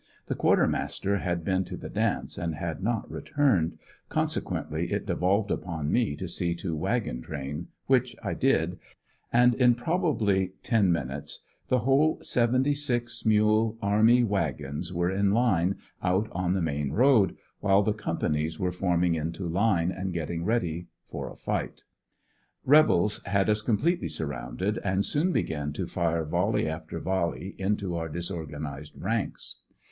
The quarter master had been to the dance and had not returned, conse quently it devolved upon me to see to wagon train, which I did, and in probably ten minutes the whole seventy six mule army wag ons were in line out on the main road, while the companies were forming into line and. getting ready for a fight. Rebels had us completely surrounded and soon began to fire voUe}^ after volley into our disorganized ranks.